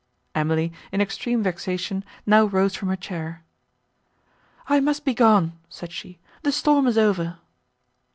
Emily, in extreme vexation, now rose from her chair, "I must be gone," said she, "the storm is over."